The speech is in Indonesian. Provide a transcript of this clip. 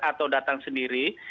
atau dari kesehatan sendiri